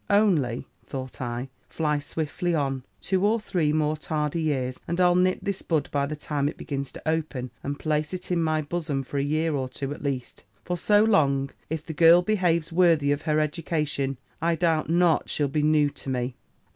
Only,' thought I, 'fly swiftly on, two or three more tardy years, and I'll nip this bud by the time it begins to open, and place it in my bosom for a year or two at least: for so long, if the girl behaves worthy of her education, I doubt not, she'll be new to me.